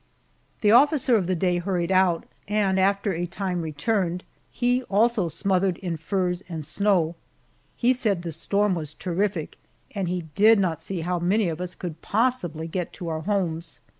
The officer of the day hurried out, and after a time returned, he also smothered in furs and snow. He said the storm was terrific and he did not see how many of us could possibly get to our homes.